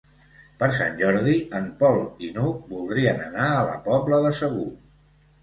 Per Sant Jordi en Pol i n'Hug voldrien anar a la Pobla de Segur.